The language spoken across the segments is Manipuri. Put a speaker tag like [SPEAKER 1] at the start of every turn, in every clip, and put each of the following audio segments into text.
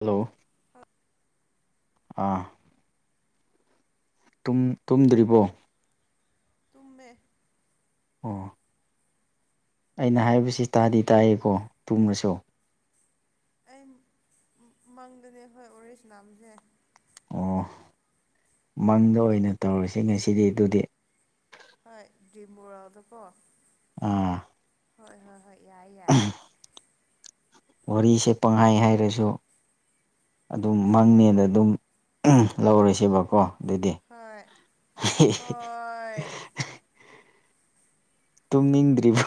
[SPEAKER 1] ꯍꯜꯂꯣ ꯑꯥ ꯇꯨꯝꯗ꯭ꯔꯤꯕꯣ
[SPEAKER 2] ꯇꯨꯝꯃꯦ
[SPEAKER 1] ꯑꯣ ꯑꯩꯅ ꯍꯥꯏꯕꯁꯤ ꯇꯥꯗꯤ ꯇꯥꯏꯌꯦꯀꯣ ꯇꯨꯡꯃꯁꯨ
[SPEAKER 2] ꯑꯩ ꯃꯪꯗꯅꯦ ꯍꯣꯏ ꯋꯔꯤꯁꯥꯅꯕꯁꯦ
[SPEAKER 1] ꯑꯣ ꯃꯪꯗ ꯑꯣꯏꯅ ꯇꯧꯔꯁꯤꯅꯦꯁꯤꯗꯤ ꯑꯗꯨꯗꯤ
[SPEAKER 2] ꯍ ꯗꯤꯝꯕꯣꯔꯥꯗꯀꯣ
[SPEAKER 1] ꯑꯥ
[SPEAKER 2] ꯍꯣꯏ ꯍꯣꯏ ꯍꯣꯏ ꯌꯥꯏ ꯌꯥꯏ
[SPEAKER 1] ꯋꯥꯔꯤꯁꯦ ꯄꯪꯍꯥꯏ ꯍꯥꯏꯔꯁꯨ ꯑꯗꯨꯝ ꯃꯪꯅꯦꯅ ꯑꯗꯨꯝ ꯂꯧꯔꯁꯦꯕꯀꯣ ꯑꯗꯨꯗꯦ
[SPEAKER 2] ꯍꯣꯏ ꯍꯣꯏ
[SPEAKER 1] ꯇꯨꯝꯅꯤꯡꯗ꯭ꯔꯤꯕ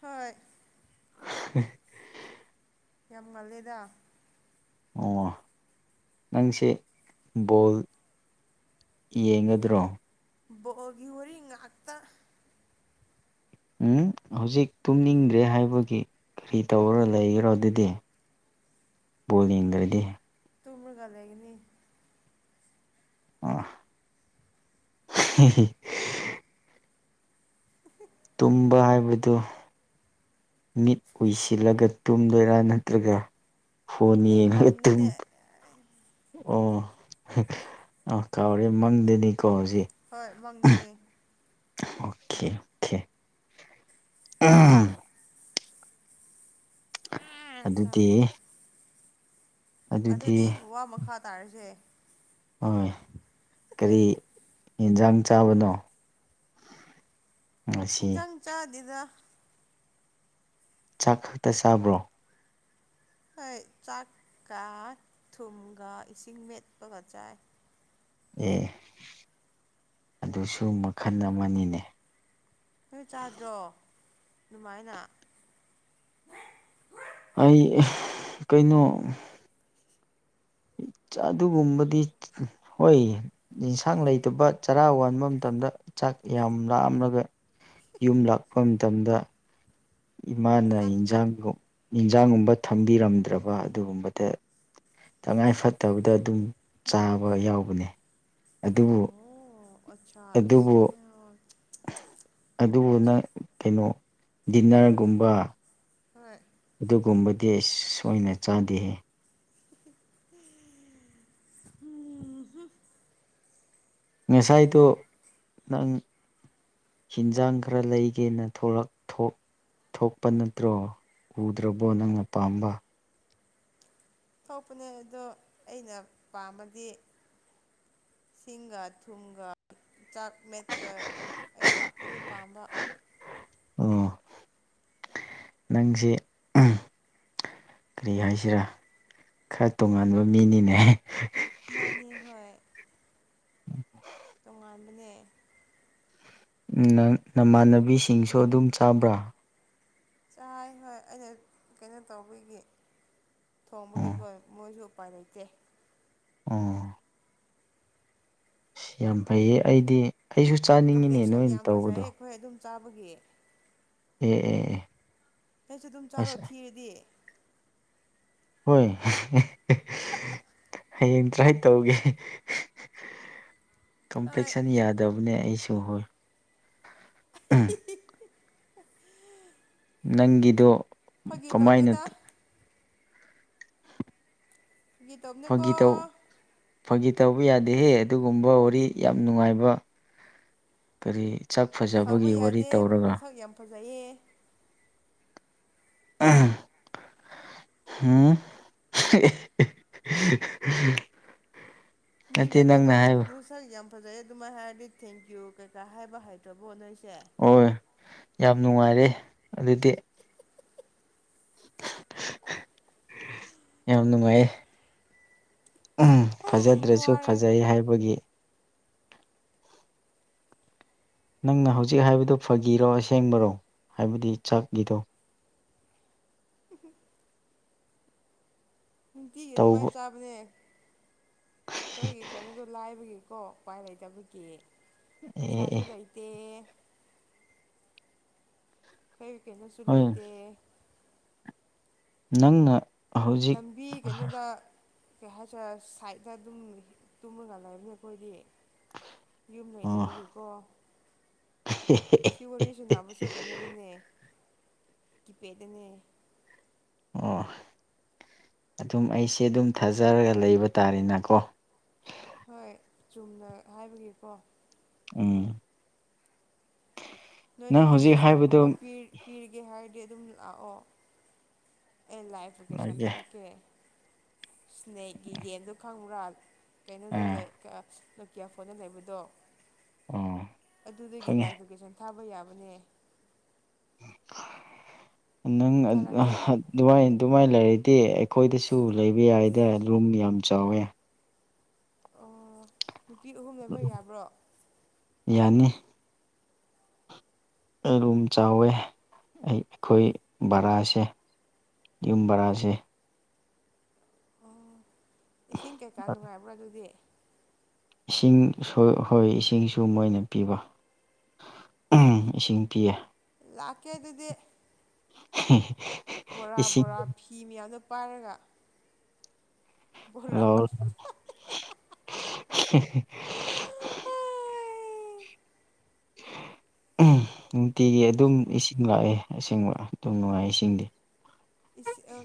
[SPEAKER 2] ꯍꯣꯏ
[SPEAKER 1] [inaudible]
[SPEAKER 2] ꯌꯥꯝ ꯉꯜꯂꯦꯗ
[SPEAKER 1] ꯑꯣ ꯅꯪꯁꯦ ꯕꯣꯜ ꯌꯦꯡꯒꯗ꯭ꯔꯣ
[SPEAKER 2] ꯒꯤ ꯎꯔꯤ ꯍ ꯑꯥꯛꯇ
[SPEAKER 1] ꯎꯝ ꯍꯧꯖꯤꯛ ꯇꯨꯝꯅꯤꯡꯗ꯭ꯔꯦ ꯍꯥꯏꯕꯒꯤ ꯀꯔꯤ ꯇꯧꯔꯣ ꯂꯩꯈ꯭ꯔꯣ ꯑꯗꯨꯗꯤ ꯕꯣꯜ ꯌꯦꯡꯗꯔꯗꯤ
[SPEAKER 2] ꯇꯨ ꯃꯒ ꯂꯩꯒꯤꯅꯤ
[SPEAKER 1] ꯑ ꯇꯨꯝꯕ ꯍꯥꯏꯕꯗꯨ ꯃꯤꯠ ꯎꯏꯁꯤꯜꯂꯒ ꯇꯨꯝꯗꯣꯏꯔꯥ ꯅꯠꯇ꯭ꯔꯒ ꯐꯣꯟꯅꯤ
[SPEAKER 2] ꯑꯩ
[SPEAKER 1] ꯌꯦ ꯉꯠꯇ
[SPEAKER 2] ꯃꯪꯗꯅꯦ
[SPEAKER 1] ꯑꯣ ꯑꯥ ꯀꯥꯎꯔꯦ ꯃꯪꯗꯅꯤꯀꯣ ꯑꯣꯖꯤ
[SPEAKER 2] ꯍꯣꯏ ꯃꯪꯗꯅꯦ
[SPEAKER 1] ꯑꯣꯀꯦ ꯑꯣꯀꯦ ꯑꯝ ꯑꯗꯨꯗꯤ
[SPEAKER 2] ꯑꯗꯨꯗꯤ ꯋꯥ ꯃꯈꯥ ꯇꯥꯔꯁꯦ
[SPEAKER 1] ꯍ ꯀꯔꯤ ꯌꯦꯟꯁꯥꯡ ꯆꯥꯕꯅꯣ [inaudible]
[SPEAKER 2] ꯏꯤꯟꯖꯥꯡ ꯆꯥꯗꯗ
[SPEAKER 1] ꯆꯥꯛ ꯈꯛꯇ ꯆꯥꯕ꯭ꯔꯣ
[SPEAKER 2] ꯍꯣꯏ ꯆꯥꯛꯀ ꯊꯨꯝꯒ ꯏꯁꯤꯡ ꯃꯦꯠꯄꯒ ꯆꯥꯏ
[SPEAKER 1] ꯑꯦ ꯑꯗꯨꯁꯨ ꯃꯈꯜ ꯑꯃꯅꯤꯅꯦ
[SPEAKER 2] ꯣꯏ ꯆꯥꯗ꯭ꯔꯣ ꯑꯗꯨꯃꯥꯏꯅ
[SPEAKER 1] ꯑꯩ ꯀꯩꯅꯣ ꯑꯗꯨꯒꯨꯝꯕꯗꯤ ꯍꯣꯏ ꯌꯦꯟꯁꯥꯡ ꯂꯩꯇꯕ ꯆꯔꯥ ꯋꯥꯕ ꯃꯇꯝ ꯆꯥꯛ ꯌꯥꯝ ꯂꯥꯑꯝꯂꯒ ꯌꯨꯝ ꯂꯥꯛꯄ ꯃꯇꯝꯗ ꯏꯃꯥꯅ
[SPEAKER 2] ꯆꯥꯛ
[SPEAKER 1] ꯏꯟꯖꯥꯡꯗꯣ ꯏꯟꯖꯥꯡꯒꯨꯝꯕ ꯊꯝꯕꯤꯔꯝꯗ꯭ꯔꯕ ꯑꯗꯨꯒꯨꯝꯕꯗ ꯇꯉꯥꯏ ꯐꯗꯕꯗ ꯑꯗꯨꯝ ꯆꯥꯕ ꯌꯥꯎꯕꯅꯦ ꯑꯗꯨꯕꯨ
[SPEAKER 2] ꯑꯆꯥ
[SPEAKER 1] ꯑꯗꯨꯕꯨꯅꯪ ꯀꯩꯅꯣ ꯗꯤꯟꯅꯔꯒꯨꯝꯕ
[SPEAKER 2] ꯍꯣꯏ
[SPEAKER 1] ꯑꯗꯨꯒꯨꯝꯕꯗꯤ ꯑ ꯁꯣꯏꯅ ꯆꯥꯗꯦꯍ ꯉꯁꯥꯏꯗ ꯅꯪ ꯍꯤꯟꯖꯥꯡ ꯈꯔ ꯂꯩꯒꯦꯅ ꯊꯂꯛ ꯊꯣꯛ ꯊꯣꯛꯄ ꯅꯠꯇ꯭ꯔꯣ ꯎꯗ꯭ꯔꯕꯣ ꯅꯪꯅ ꯄꯥꯝꯕ
[SPEAKER 2] ꯊꯣꯛꯄꯅꯦ ꯑꯗꯣ ꯑꯩꯅ ꯄꯥꯝꯕꯗꯤ ꯁꯤꯁꯤꯡꯒꯥꯥ ꯊꯨꯡꯒꯥꯥ ꯆꯥꯛ ꯃꯦꯠꯄꯗꯣ ꯑꯩ ꯑꯗꯨ ꯄꯥꯝꯕ
[SPEAKER 1] ꯑꯣ ꯅꯪꯁꯤ ꯀꯔꯤ ꯍꯥꯏꯁꯤꯔꯥ ꯈꯔ ꯇꯣꯉꯥꯟꯕ ꯃꯤꯅꯤꯅꯦ
[SPEAKER 2] ꯃꯥꯅꯦ ꯍꯣꯏ ꯇꯣꯉꯥꯟꯕꯅꯦ
[SPEAKER 1] ꯅꯪ ꯅꯃꯥꯟꯅꯕꯤꯁꯤꯡꯁꯨ ꯑꯗꯨꯝ ꯆꯥꯕ꯭ꯔꯥ
[SPEAKER 2] ꯆꯥꯏ ꯍꯣꯏ ꯑꯩꯅ ꯀꯩꯅꯣ ꯇꯧꯕꯒꯤ
[SPEAKER 1] ꯑꯣ
[SPEAKER 2] ꯊꯣꯡꯕꯒꯤꯀꯣ ꯃꯣꯏꯁꯨ ꯎꯄꯥꯏ ꯂꯩꯇꯦ
[SPEAKER 1] ꯑ ꯑꯁ ꯌꯥꯝ ꯐꯩꯌꯦ ꯑꯩꯗꯤ ꯑꯩꯁꯨ ꯆꯥꯅꯤꯡꯉꯤꯅꯦ
[SPEAKER 2] ꯀꯝꯄ꯭ꯂꯦꯛꯁꯟ
[SPEAKER 1] ꯅꯣꯏꯅ
[SPEAKER 2] ꯌꯥꯝ ꯐꯖꯩ
[SPEAKER 1] ꯇꯧꯕꯗꯣ
[SPEAKER 2] ꯑꯩꯈꯣꯏ ꯑꯗꯨꯝ ꯆꯥꯕꯒꯤ
[SPEAKER 1] ꯑꯦ ꯑꯦ ꯑꯦ
[SPEAKER 2] ꯍꯩ ꯁꯨ ꯑꯗꯨꯝ ꯆꯥꯔꯣ
[SPEAKER 1] ꯑꯁ
[SPEAKER 2] ꯊꯤꯔꯗꯤ
[SPEAKER 1] ꯍꯣꯏ ꯍꯌꯦꯡ ꯇ꯭ꯔꯥꯏ ꯇꯧꯒꯦ
[SPEAKER 2] ꯍꯣꯏ
[SPEAKER 1] ꯀꯝꯄ꯭ꯂꯦꯛꯁꯟ ꯌꯥꯗꯕꯅꯦ ꯑꯩꯁꯨ ꯍꯣꯏ ꯅꯪꯒꯤꯗꯣ
[SPEAKER 2] ꯐꯒꯤ
[SPEAKER 1] ꯀꯃꯥꯏꯅ
[SPEAKER 2] ꯇꯧꯕꯦꯗ ꯐꯒꯤ ꯇꯧꯕꯅꯦꯀꯣ
[SPEAKER 1] ꯐꯥꯒꯤ ꯇꯧ ꯐꯥꯒꯤ ꯇꯧꯕ ꯌꯥꯗꯦꯍꯦ ꯑꯗꯨꯒꯨꯝꯕ ꯋꯥꯔꯤ ꯌꯥꯝ ꯅꯨꯡꯉꯥꯏꯕ ꯀꯔꯤ ꯁꯛ
[SPEAKER 2] ꯁꯥꯎꯕ
[SPEAKER 1] ꯐꯖꯕꯒꯤ ꯋꯥꯔꯤ
[SPEAKER 2] ꯌꯥꯗꯦ
[SPEAKER 1] ꯇꯧꯔꯒ
[SPEAKER 2] ꯃꯁꯛ ꯌꯥꯝ ꯐꯖꯩꯌꯦ
[SPEAKER 1] ꯍꯨꯝ [inaudible]
[SPEAKER 2] ꯃꯤꯅ ꯀꯩꯅꯣꯝ ꯅꯁꯛ ꯌꯥꯝ ꯐꯖꯩ ꯑꯗꯨꯃꯥꯏꯅ ꯍꯥꯏꯔꯗꯤ ꯊꯦꯡꯀ꯭ꯌꯨ ꯀꯩꯀꯥ ꯍꯥꯏꯕ ꯍꯥꯏꯇ꯭ꯔꯕꯣ ꯅꯣꯏ ꯁꯦ
[SPEAKER 1] ꯍꯣꯏ ꯌꯥꯝ ꯅꯨꯡꯉꯥꯏꯔꯦ ꯑꯗꯨꯗꯤ ꯌꯥꯝ ꯅꯨꯡꯉꯥꯏꯌꯦ ꯐꯖꯗ꯭ꯔꯁꯨ
[SPEAKER 2] ꯋꯥꯔꯦ
[SPEAKER 1] ꯐꯖꯩ ꯍꯥꯏꯕꯒꯤ ꯅꯪꯅ ꯍꯧꯖꯤꯛ ꯍꯥꯏꯕꯗꯨ ꯐꯒꯤꯔꯣ ꯑꯁꯦꯡꯕꯔꯣ ꯍꯥꯏꯕꯗꯤ ꯆꯥꯛꯀꯤꯗꯣ
[SPEAKER 2] ꯅꯨꯡꯇꯤꯒꯤ
[SPEAKER 1] ꯇꯧꯕ
[SPEAKER 2] ꯑꯗꯨꯃꯥꯏꯅ ꯆꯥꯕꯅꯦ ꯑꯩꯈꯣꯏꯒꯤ ꯀꯩꯅꯣꯗꯣ ꯂꯥꯏꯕꯒꯤꯀꯣ ꯎꯄꯥꯏ ꯂꯩꯇꯕꯒꯤ
[SPEAKER 1] ꯑꯦ
[SPEAKER 2] ꯄꯩꯁꯥꯁꯨ
[SPEAKER 1] ꯑꯦ
[SPEAKER 2] ꯂꯩꯩꯇꯦ ꯈꫭꯏꯒꯤ ꯀꯩꯅꯣꯁꯨ
[SPEAKER 1] ꯍꯣꯏ
[SPEAKER 2] ꯂꯩꯇꯦ
[SPEAKER 1] ꯅꯪꯅ ꯍꯧꯖꯤꯛ
[SPEAKER 2] ꯂꯝꯕꯤ ꯀꯩꯅꯣꯗ ꯀꯩ ꯍꯥꯏꯁꯤꯔꯥ ꯁꯥꯏꯗꯠꯇ ꯑꯗꯨꯝ ꯇꯨꯝꯃꯒ ꯂꯩꯕꯅꯦ ꯑꯩꯈꯣꯏꯗꯤ ꯌꯨꯝ
[SPEAKER 1] ꯑꯣ
[SPEAKER 2] ꯂꯩꯗꯕꯒꯤꯀꯣ ꯁꯤ ꯋꯥꯔꯤꯁꯨ ꯅꯥꯕꯁꯨ ꯀꯩꯅꯣꯗꯨꯅꯦ ꯀꯤꯄꯦꯗꯅꯦ
[SPEAKER 1] ꯑꯣ ꯑꯗꯨꯝ ꯑꯩꯁꯦ ꯑꯗꯨꯝ ꯊꯥꯖꯔꯒ ꯂꯩꯕ ꯇꯥꯔꯦꯅꯥꯀꯣ
[SPEAKER 2] ꯍꯣꯏ ꯆꯨꯝꯅ ꯍꯥꯏꯕꯒꯤꯀꯣ
[SPEAKER 1] ꯎꯝ
[SPEAKER 2] ꯅꯣꯏꯅ
[SPEAKER 1] ꯅꯪ ꯍꯧꯖꯤꯛ
[SPEAKER 2] ꯗꯣꯅꯦꯁꯟꯒꯨꯝꯕ
[SPEAKER 1] ꯍꯥꯏꯕꯗꯨ
[SPEAKER 2] ꯄꯤꯔꯤꯒꯦ ꯍꯥꯏꯔꯗꯤ ꯑꯗꯨꯝ ꯂꯥꯛꯑꯣ ꯑꯩ ꯂꯥꯏꯚ ꯂꫭꯀꯦꯁꯟ
[SPEAKER 1] ꯂꯩꯒꯦ
[SPEAKER 2] ꯊꯥꯔꯛꯀꯦꯁꯟ ꯊꯥꯔꯛꯀꯦ ꯁ꯭ꯅꯦꯛꯀꯤ ꯒꯦꯝꯗꯣ ꯈꯪꯕ꯭ꯔꯥ ꯀꯩꯅꯣꯗꯣ
[SPEAKER 1] ꯑꯥ
[SPEAKER 2] ꯂꯩ ꯅꫭꯀꯤ꯭ꯌꯥ ꯐꯣꯟꯗ ꯂꯩꯕꯗꯣ
[SPEAKER 1] ꯑꯣ
[SPEAKER 2] ꯑꯗꯨꯗꯒꯤ
[SPEAKER 1] ꯈꯪꯉꯦ
[SPEAKER 2] ꯂꯥꯏꯐ ꯂꫭꯀꯦꯁꯟ ꯊꯥꯕ ꯌꯥꯕꯅꯦ
[SPEAKER 1] ꯅꯪ
[SPEAKER 2] ꯊꯥꯔꯛꯀꯦ
[SPEAKER 1] ꯑꯗꯨꯋꯥꯏꯗꫭ ꯃꯥꯏꯅ ꯂꯩꯔꯗꯤ ꯑꯩꯈꯣꯏꯗꯁꯨ ꯂꯩꯕ ꯌꯥꯏꯗ ꯂꯨꯝ ꯌꯥꯝ ꯆꯥꯎꯋꯦ
[SPEAKER 2] ꯑꯣ ꯅꯨꯄꯤ ꯑꯍꯨꯝ ꯂꯩꯕ ꯌꯥꯕ꯭ꯔꯣ
[SPEAKER 1] ꯌꯥꯅꯤ ꯑꯗꯨꯨꯝ ꯆꯥꯎꯋꯦ ꯑꯩꯈꯣꯏ ꯕꯔꯥꯁꯦ ꯌꯨꯝ ꯕꯔꯥꯁꯦ
[SPEAKER 2] ꯑꯣ ꯏꯁꯤꯡ ꯀꯩꯀꯥ ꯅꯨꯡꯉꯥꯏꯕ꯭ꯔꯥ ꯑꯗꯨꯗꯤ
[SPEAKER 1] ꯏꯁꯤꯡ ꯍꯣꯏ ꯏꯁꯤꯡꯁꯨ ꯃꯣꯏꯅ ꯄꯤꯕ ꯎꯝ ꯏꯁꯤꯡ ꯄꯤꯌꯦ
[SPEAKER 2] ꯂꯥꯛꯀꯦ ꯑꯗꯨꯗꯤ
[SPEAKER 1] ꯍ
[SPEAKER 2] ꯕꯣꯔꯥ ꯕꯣꯔꯥ ꯐꯤ ꯃꯌꯥꯝꯗꯣ ꯄꯥꯏꯔꯒ ꯕꯣꯔꯥ
[SPEAKER 1] ꯂꯧꯑꯣ [unintelligible] ꯅꯨꯡꯇꯤꯒꯤ ꯑꯗꯨꯝ ꯏꯁꯤꯡ ꯂꯥꯛꯑꯦ ꯑꯁꯦꯡꯕ ꯑꯗꯨ ꯅꯨꯡꯉꯥꯏ ꯏꯁꯤꯡꯗꯤ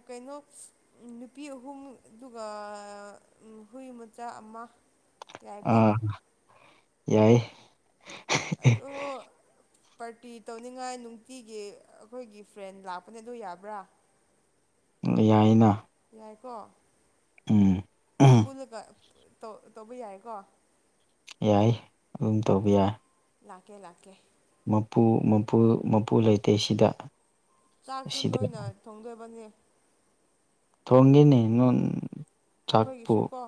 [SPEAKER 2] ꯀꯩꯅꯣ ꯅꯨꯄꯤ ꯑꯍꯨꯝ ꯑꯗꯨꯒ ꯍꯨꯏ ꯃꯆꯥ ꯆ ꯑꯃ
[SPEAKER 1] ꯑ
[SPEAKER 2] ꯌꯥꯏꯀꯣ
[SPEAKER 1] ꯌꯥꯏ
[SPEAKER 2] ꯑꯗꯣ ꯄꯥꯔꯇꯤ ꯇꯧꯅꯤꯡꯉꯥꯏ ꯅꯨꯡꯇꯤꯒꯤ ꯑꯩꯈꯣꯏꯒꯤ ꯐ꯭ꯔꯦꯟ ꯂꯥꯛꯄꯅꯦ ꯑꯗꯨ ꯌꯥꯕ꯭ꯔꯥ
[SPEAKER 1] ꯌꯥꯏꯅ
[SPEAKER 2] ꯍꯥꯏꯀꯣ
[SPEAKER 1] ꯎꯝ
[SPEAKER 2] ꯇꯧꯕ ꯌꯥꯏꯀꯣ
[SPEAKER 1] ꯌꯥꯏ ꯑꯗꯨꯝ ꯇꯧꯕ ꯌꯥꯏ
[SPEAKER 2] ꯂꯥꯛꯀꯦ ꯂꯥꯛꯀꯦ
[SPEAKER 1] ꯃꯄꯨ ꯃꯄꯨ ꯃꯄꯨ ꯂꯩꯇꯦ ꯁꯤꯗ
[SPEAKER 2] ꯆꯥꯛꯁꯨ
[SPEAKER 1] ꯁꯤꯗ
[SPEAKER 2] ꯅꯣꯏꯅ ꯊꯣꯡꯗꯣꯏꯕꯅꯤ
[SPEAKER 1] ꯊꯣꯡꯒꯅꯤ ꯅꯣꯟ ꯆꯠꯄꯨ
[SPEAKER 2] ꯑꯩꯈꯣꯏꯒꯤꯁꯨ ꯀꯣ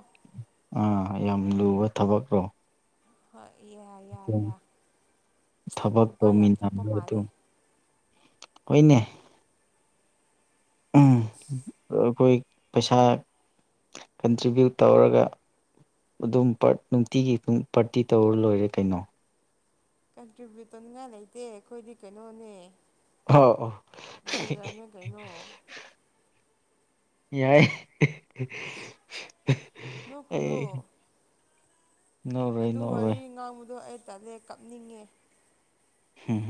[SPEAKER 1] ꯑꯥ ꯌꯥꯝ ꯂꯨꯕ ꯊꯕꯛꯔꯣ
[SPEAKER 2] ꯍꯣꯏ ꯏ ꯌꯥꯏ
[SPEAKER 1] ꯑꯗꯨꯝ
[SPEAKER 2] ꯌꯥꯏ
[SPEAKER 1] ꯊꯕꯛ
[SPEAKER 2] ꯂꯨꯄꯥ ꯌꯥꯝ ꯊꯣꯛꯄ ꯃꯥꯜꯂꯦ
[SPEAKER 1] ꯍꯅꯦ ꯑꯩꯈꯣꯏ ꯄꯩꯁꯥ ꯀꯟꯇ꯭ꯔꯤꯕ꯭ꯌꯨꯠ ꯇꯧꯔꯒ ꯑꯗꯨꯝ ꯅꯨꯡꯇꯤꯒꯤ ꯄꯥꯔꯇꯤ ꯇꯧꯔ ꯂꯣꯏꯔꯦ ꯀꯩꯅꯣ
[SPEAKER 2] ꯀꯟꯇ꯭ꯔꯤꯕ꯭ꯌꯨ ꯇꯟꯉꯥꯏ ꯂꯩꯇꯦ ꯑꯩꯈꯣꯏꯗꯤ ꯀꯩꯅꯣꯅꯦ
[SPEAKER 1] ꯍ
[SPEAKER 2] ꯕꯦꯒꯔꯅꯦ ꯀꯩꯅꯣ
[SPEAKER 1] ꯌꯥꯏ
[SPEAKER 2] ꯅꯣꯛ
[SPEAKER 1] ꯑꯦ
[SPEAKER 2] ꯀꯂꯨ
[SPEAKER 1] ꯅꯣꯛꯔꯣꯏ
[SPEAKER 2] ꯑꯗꯨ
[SPEAKER 1] ꯅꯣꯛꯔꯣꯏ
[SPEAKER 2] ꯋꯥꯔꯤ ꯉꯥꯡꯕꯗꯣ ꯑꯩ ꯇꯂꯦ ꯀꯥꯞꯅꯤꯡꯉꯦ
[SPEAKER 1] ꯍꯝ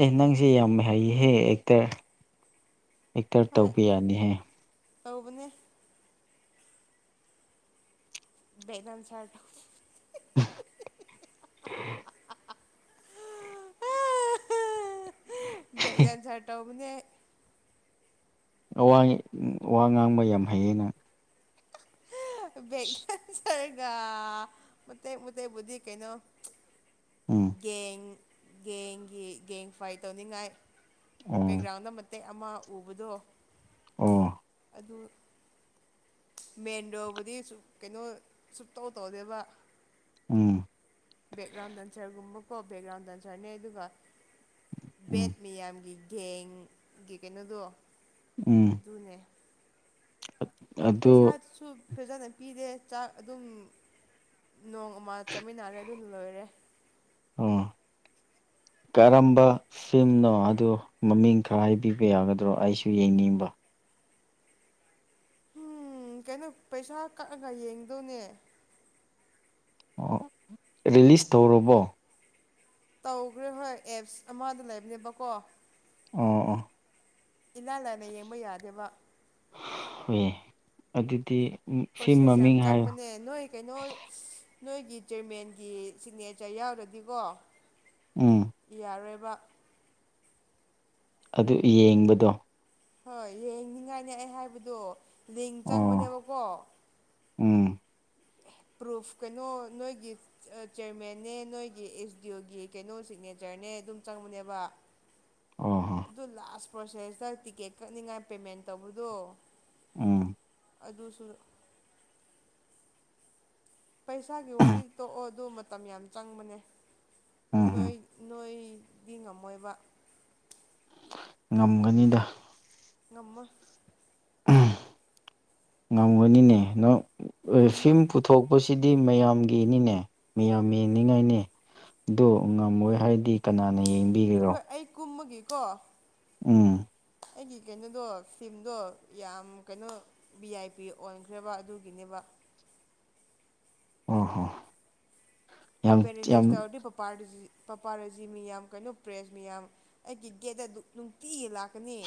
[SPEAKER 1] ꯑꯦ ꯅꯪꯁꯦ ꯌꯥꯝ ꯍꯩꯍꯦ ꯑꯦꯛꯇꯔ ꯑꯦꯛꯇꯔ
[SPEAKER 2] ꯍꯣꯏ
[SPEAKER 1] ꯇꯧꯕ ꯌꯥꯅꯤꯍꯦ
[SPEAKER 2] ꯇꯧꯕꯅꯦ ꯦꯗꯥꯝ ꯆꯇꯣ
[SPEAKER 1] [unintelligible]
[SPEAKER 2] ꯩꯗꯥꯦꯟꯁ ꯇꯅꯦ
[SPEAKER 1] ꯋꯥ ꯋꯥ ꯉꯥꯡꯕ ꯌꯥꯝ ꯍꯩꯌꯦꯩꯅ
[SPEAKER 2] ꯔꯒ ꯃ ꯃ ꯇꯕꯨ ꯀꯩꯩꯅꯣ
[SPEAKER 1] ꯎꯝ
[SPEAKER 2] ꯒꯦꯡ ꯒꯦꯡꯒꯤ ꯒꯦꯡ ꯐꯥꯏꯠ ꯇꯧꯅꯤꯡꯉꯥꯏ
[SPEAKER 1] ꯑꯣ
[SPEAKER 2] ꯕꯦꯛꯒ꯭ꯔꯥꯎꯟꯗ ꯃꯇꯦꯛ ꯑꯃ ꯎꯕꯗꯣ
[SPEAKER 1] ꯑꯣ
[SPEAKER 2] ꯑꯗꯨ ꯃꯦꯟꯗꯣꯕꯨꯗꯤ ꯁ ꯀꯩꯅꯣ ꯁꯨꯞꯇꯧ ꯇꯧꯗꯦꯕ
[SPEAKER 1] ꯎꯝ
[SPEAKER 2] ꯕꯦꯛꯒ꯭ꯔꯥꯎꯟ ꯗꯟꯁꯔꯒꯨꯝꯕꯀꯣ ꯕꯦꯛꯒ꯭ꯔꯥꯎꯟ ꯗꯟꯁꯔꯅꯦ ꯑꯗꯨꯒ
[SPEAKER 1] ꯎꯝ
[SPEAKER 2] ꯕꯦꯠ ꯃꯤꯌꯥꯝꯒꯤ ꯒꯦꯡꯒꯤ ꯀꯩꯅꯣꯗꯣ
[SPEAKER 1] ꯎꯝ
[SPEAKER 2] ꯑꯗꯨꯅꯦ
[SPEAKER 1] ꯑꯗꯨ
[SPEAKER 2] ꯄꯩꯁꯥꯁꯨ ꯐꯖꯥꯅ ꯄꯤꯔꯦ ꯆꯥꯛ ꯑꯗꯨꯝ ꯅꯣꯡ ꯑꯃ ꯆꯠꯃꯤꯟꯅꯔꯦ ꯑꯗꯨꯅ ꯂꯣꯏꯔꯦ
[SPEAKER 1] ꯑꯣ ꯀꯔꯝꯕ ꯁꯤꯝꯅꯣ ꯑꯗꯨꯗ ꯃꯃꯤꯡ ꯈꯔ ꯍꯥꯏꯕꯤꯕ ꯌꯥꯒꯗ꯭ꯔꯣ ꯑꯩꯁꯨ ꯌꯦꯡꯅꯤꯡꯕ
[SPEAKER 2] ꯎꯝ ꯀꯩꯅꯣ ꯄꯩꯁꯥ ꯀꯛꯑꯒ ꯌꯦꯡꯗꯣꯏꯅꯦ
[SPEAKER 1] ꯔꯤꯂꯤꯁ ꯇꯧꯔꯕꯣ
[SPEAKER 2] ꯇꯧꯈ꯭ꯔꯦ ꯍꯣꯏ ꯑꯦꯞꯁ ꯑꯃꯗ ꯂꯩꯕꯅꯦꯕꯀꯣ
[SPEAKER 1] ꯑꯣ
[SPEAKER 2] ꯏꯂꯂꯅꯦ ꯌꯦꯡꯕ ꯌꯥꯗꯦꯕ
[SPEAKER 1] ꯍꯦ ꯑꯗꯨꯗꯤ ꯐꯤꯂꯝ
[SPEAKER 2] ꯄ꯭ꯔꯣꯁꯦꯁ ꯌꯥꯝ
[SPEAKER 1] ꯃꯃꯤꯡ ꯍꯥꯏꯌꯣ
[SPEAKER 2] ꯆꯪꯕꯅꯦ ꯅꯣꯏ ꯀꯩꯅꯣ ꯅꯣꯏꯒꯤ ꯆꯤꯔꯃꯦꯟꯒꯤ ꯁꯤꯒꯅꯦꯆꯔ ꯌꯥꯎꯔꯗꯤꯀꯣ
[SPEAKER 1] ꯎꯝ
[SPEAKER 2] ꯌꯥꯔꯣꯏꯕ
[SPEAKER 1] ꯑꯗꯨ ꯌꯦꯡꯕꯗꯣ
[SPEAKER 2] ꯍꯣꯏ ꯌꯦꯡꯅꯤꯡꯉꯥꯏꯅꯦ ꯑꯩ ꯍꯥꯏꯕꯗꯣ ꯂꯤꯡ
[SPEAKER 1] ꯑꯣ
[SPEAKER 2] ꯆꯪꯕꯅꯦꯕꯀꯣ
[SPEAKER 1] ꯎꯝ
[SPEAKER 2] ꯄ꯭ꯔꯨꯐ ꯀꯩꯅꯣ ꯅꯣꯏꯒꯤ ꯆꯤꯌꯔꯃꯟꯅꯦ ꯅꯣꯏꯒꯤ ꯑꯦꯁ ꯗꯤ ꯑꯣꯒꯤ ꯀꯩꯅꯣ ꯁꯤꯒꯅꯦꯆꯔꯅꯦ ꯑꯗꯨꯝ ꯆꯪꯕꯅꯦꯕ
[SPEAKER 1] ꯑꯣ ꯍꯣ
[SPEAKER 2] ꯑꯗꯨ ꯂꯥꯁ ꯄ꯭ꯔꯣꯁꯦꯁꯇ ꯇꯤꯛꯀꯦꯠ ꯀꯛꯅꯤꯡꯉꯥꯏ ꯄꯦꯃꯦꯟ ꯇꯧꯕꯗꯣ
[SPEAKER 1] ꯎꯝ
[SPEAKER 2] ꯑꯗꯨꯁꯨ ꯄꯩꯁꯥꯒꯤ ꯋꯥꯔꯤ ꯇꯣꯛꯑꯣ ꯑꯗꯨ ꯃꯇꯝ ꯌꯥꯝ ꯆꯪꯕꯅꯦ
[SPEAKER 1] ꯎꯝ
[SPEAKER 2] ꯅꯣꯏ
[SPEAKER 1] ꯎꯝ
[SPEAKER 2] ꯅꯣꯏꯗꯤ ꯉꯝꯃꯣꯏꯕ
[SPEAKER 1] ꯉꯝꯒꯅꯤꯗ
[SPEAKER 2] ꯉꯃ
[SPEAKER 1] ꯉꯝꯒꯅꯤꯅꯦ
[SPEAKER 2] ꯉꯝꯃꯣꯏ
[SPEAKER 1] ꯐꯤꯝ ꯄꯨꯊꯣꯛꯄꯁꯤ ꯁꯤꯗꯤ ꯃꯌꯥꯝꯒꯤꯅꯤꯅꯦ ꯃꯌꯥꯝ ꯌꯦꯡꯅꯤꯡꯉꯥꯏꯅꯦ ꯑꯗꯨ ꯉꯝꯃꯣꯏ ꯍꯥꯏꯔꯗꯤ ꯀꯅꯥꯅ
[SPEAKER 2] ꯑꯩꯈꯣꯏ
[SPEAKER 1] ꯌꯦꯡꯕꯤꯒꯦꯔꯣ
[SPEAKER 2] ꯑꯩ ꯀꯨꯝꯃꯒꯦꯀꯣ
[SPEAKER 1] ꯎꯝ
[SPEAKER 2] ꯑꯩꯒꯤ ꯀꯩꯅꯣꯗꯣ ꯁꯤꯝꯗꯣ ꯌꯥꯝ ꯀꯩꯅꯣ ꯚꯤ ꯑꯥꯏ ꯄꯤ ꯑꯣꯟꯈ꯭ꯔꯦꯕ ꯑꯗꯨꯒꯤꯅꯦꯕ
[SPEAKER 1] [unintelligible] ꯑ ꯍꯣ
[SPEAKER 2] ꯎ
[SPEAKER 1] ꯌꯥꯝ ꯌꯥꯝ
[SPEAKER 2] ꯄꯅꯤꯗꯤꯁꯕꯨ ꯇꯧꯔꯗꯤ ꯃꯄꯥꯟ ꯄꯄꯥꯔꯥꯖꯤ ꯃꯤꯌꯥꯝ ꯀꯩꯅꯣ ꯄ꯭ꯔꯦꯁ ꯃꯤꯌꯥꯝ ꯑꯩꯒꯤ ꯒꯦꯠ ꯑꯗꯨ ꯅꯨꯡꯇꯤ ꯂ ꯛꯀꯅꯤ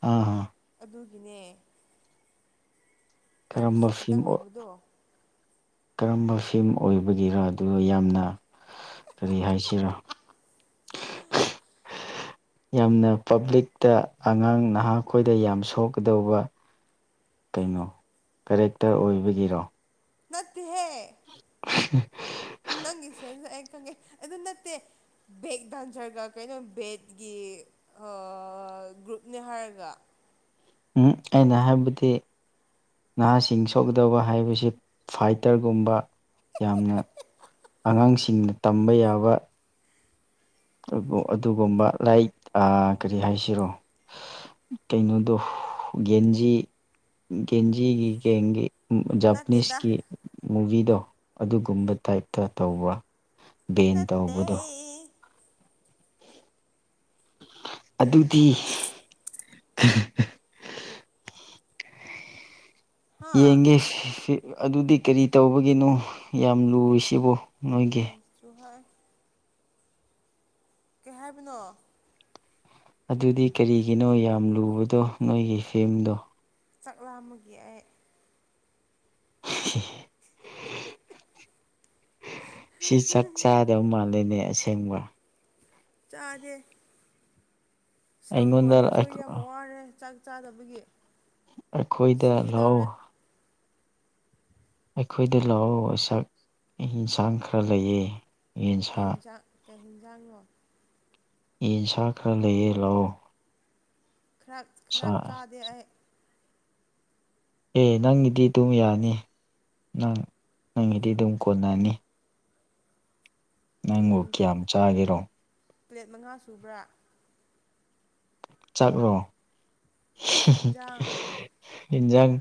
[SPEAKER 1] ꯑꯥ
[SPEAKER 2] ꯑꯗꯨꯒꯤꯅꯦ
[SPEAKER 1] ꯀꯔꯝꯕ
[SPEAKER 2] ꯄ꯭ꯔꯥꯏꯚꯦꯁꯤ ꯈꯤꯇꯪ
[SPEAKER 1] ꯐꯤꯂꯝ
[SPEAKER 2] ꯂꯩꯕꯗꯣ
[SPEAKER 1] ꯀꯔꯝꯕ ꯐꯤꯝ ꯑꯣꯏꯕꯒꯤꯔ ꯑꯗꯨꯒ ꯌꯥꯝꯅ ꯀꯔꯤ ꯍꯥꯏꯁꯤꯔꯥ [unintelligible] ꯌꯥꯝꯅ ꯄꯕ꯭ꯂꯤꯛꯇ ꯑꯉꯥꯡ ꯅꯍꯥꯈꯣꯏꯗ ꯌꯥꯝ ꯁꯣꯛꯀꯗꯧꯕ ꯀꯩꯅꯣ ꯀꯔꯦꯛꯇꯔ ꯑꯣꯏꯕꯒꯤꯔꯣ
[SPEAKER 2] ꯅꯠꯇꯦ ꯍꯦ
[SPEAKER 1] ꯎ
[SPEAKER 2] ꯅꯪꯒꯤꯁꯦꯅ ꯂ ꯑꯩ ꯈꯪꯉꯦ ꯑꯗꯨ ꯅꯠꯇꯦ ꯕꯦꯛ ꯗꯥꯟꯖꯔꯒ ꯀꯩꯅꯣ ꯕꯦꯠꯀꯤ ꯒ꯭ꯔꯨꯞꯅꯤ ꯍꯥꯏꯔꯒ
[SPEAKER 1] ꯎꯝ ꯑꯩꯅ ꯍꯥꯏꯕꯗꯤ ꯅꯍꯥꯁꯤꯡ ꯁꯣꯛꯀꯗꯕ ꯍꯥꯏꯕꯁꯤ ꯐꯥꯏꯇꯔꯒꯨꯝꯕ ꯌꯥꯝꯅ ꯑꯉꯥꯡꯁꯤꯡꯅ ꯇꯝꯕ ꯌꯥꯕ ꯑꯗꯨ ꯑꯗꯨꯒꯨꯝꯕ ꯂꯥꯏꯔꯤꯛ ꯀꯔꯤ ꯍꯥꯏꯁꯤꯔꯣ ꯀꯩꯅꯣꯗꯣ ꯒꯦꯟꯖꯤ ꯒꯦꯟꯖꯤꯒꯤ ꯒꯦꯡꯒꯤ
[SPEAKER 2] ꯅꯠꯇꯦꯗ
[SPEAKER 1] ꯖꯄꯅꯤꯁꯀꯤ ꯃꯨꯚꯤꯗꯣ ꯑꯗꯨꯒꯨꯝꯕ ꯇꯥꯏꯞꯇ ꯇꯧꯕ ꯕꯦꯟ
[SPEAKER 2] ꯅꯠꯇꯦ
[SPEAKER 1] ꯇꯧꯕꯗꯨꯣ ꯑꯗꯨꯗꯤ [inaudible]
[SPEAKER 2] ꯍꯥ
[SPEAKER 1] ꯌꯦꯡꯒꯦ ꯑꯗꯨꯗꯤ ꯀꯔꯤ ꯇꯧꯕꯒꯤꯅꯣ ꯌꯥꯝ ꯂꯨꯏ ꯁꯤꯕꯨ ꯅꯣꯏꯒꯤ
[SPEAKER 2] ꯑꯩꯁꯨ ꯍꯥꯏ ꯀꯩ ꯍꯥꯏꯕꯅꯣ
[SPEAKER 1] ꯑꯗꯨꯗꯤ ꯀꯔꯤꯒꯤꯅꯣ ꯌꯥꯝ ꯂꯨꯕꯗꯣ ꯅꯣꯏꯒꯤ ꯐꯤꯝꯗꯣ
[SPEAKER 2] ꯆꯥꯛꯂꯥꯃꯒ ꯑꯩ
[SPEAKER 1] [inaudible] ꯁꯤ ꯆꯥꯛ ꯆꯥꯗꯕ ꯃꯥꯜꯂꯦꯅꯦ ꯑꯁꯦꯡꯒ
[SPEAKER 2] ꯆꯥꯗꯦ ꯁ
[SPEAKER 1] ꯑꯩꯉꯣꯟꯗ
[SPEAKER 2] ꯍꯣꯟꯕꯁꯨ ꯌꯥꯝ ꯋꯥꯔꯦꯥꯛ ꯆꯥꯗꯕꯒꯤ
[SPEAKER 1] ꯑꯩꯈꯣꯏꯗ ꯂꯑꯣ
[SPEAKER 2] ꯁꯤꯒꯗꯧꯔꯦ
[SPEAKER 1] ꯑꯩꯈꯣꯏꯗ ꯂꯥꯛ ꯎꯆꯁꯛ ꯌꯦꯟꯁꯥꯡ ꯈꯔ ꯂꯩꯌꯦ ꯌꯦꯟꯁꯥꯡ
[SPEAKER 2] ꯇꯦꯟꯖꯉꯣ
[SPEAKER 1] ꯌꯦꯟꯁꯥ ꯈꯔ ꯂꯩꯌꯦ ꯂꯥꯛꯑꯣ
[SPEAKER 2] ꯈꯔ ꯈꯔ
[SPEAKER 1] ꯁꯥ.
[SPEAKER 2] ꯆꯥꯗꯦ ꯑꯩ
[SPEAKER 1] ꯑꯦ ꯅꯪꯒꯤꯗꯤ ꯑꯗꯨꯝ ꯌꯥꯅꯤ ꯅꯪ ꯅꯪꯒꯤꯗꯤ ꯑꯗꯨꯝ ꯀꯣꯟꯅꯅꯤ ꯅꯪꯕꯨ ꯀꯌꯥꯝ ꯆꯥꯒꯦꯔꯣ
[SPEAKER 2] ꯄ꯭ꯂꯦꯠ ꯃꯉꯥ ꯁꯨꯕ꯭ꯔꯥ
[SPEAKER 1] ꯆꯥꯛ꯭ꯔꯣ
[SPEAKER 2] ꯌꯦꯟꯖꯥꯡ
[SPEAKER 1] ꯏꯟꯖꯥꯡ